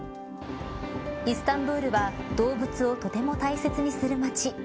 イスタンブールは動物をとても大切にする街。